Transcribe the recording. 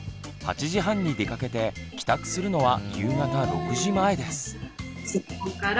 ８時半に出かけて帰宅するのは夕方６時前です。